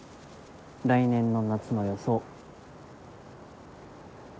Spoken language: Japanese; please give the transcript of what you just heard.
来年の夏の予想。